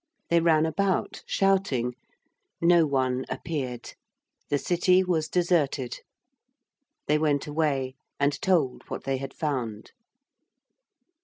They ran about shouting no one appeared: the City was deserted. They went away and told what they had found.